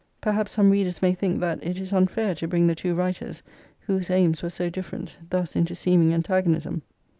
Perhaps some readers may think that it is unfair to bring the two writers, whose aims were so different, thus into seeming antagonism.